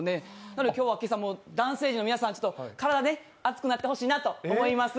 なので今朝は男性陣の皆さん、体が熱くなってほしいなと思います。